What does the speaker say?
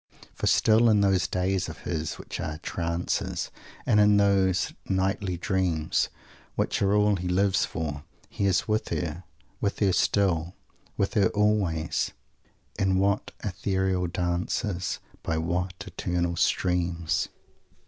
For still, in those days of his which are "trances," and in those "nightly dreams" which are all he lives for, he is with her; with her still, with her always; "In what ethereal dances, By what eternal streams!"